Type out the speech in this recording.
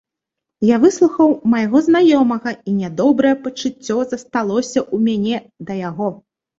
Я выслухаў майго знаёмага, і нядобрае пачуццё засталося ў мяне да яго.